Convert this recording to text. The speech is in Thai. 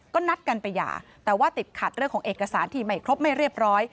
ก็นัดกันไปหย่าแต่ว่าติดขัดเรื่องของเอกสารที่ไม่ครบไม่เรียบร้อย